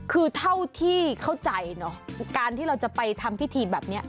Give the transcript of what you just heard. คือเท่าที่เข้าใจเนอะการที่เราจะไปทำพิธีแบบนี้